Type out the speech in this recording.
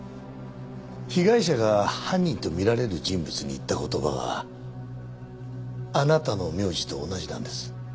被害者が犯人とみられる人物に言った言葉があなたの名字と同じなんです。